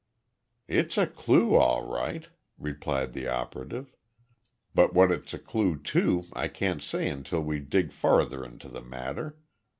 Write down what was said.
"It's a clue, all right," replied the operative, "but what it's a clue to I can't say until we dig farther into the matter.